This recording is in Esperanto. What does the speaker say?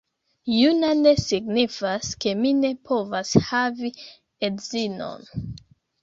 Juna ne signifas ke mi ne povas havi edzinon